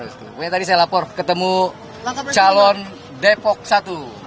sebenarnya tadi saya lapor ketemu calon depok satu